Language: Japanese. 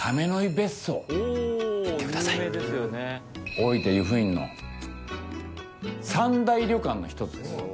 大分・湯布院の三大旅館の一つです。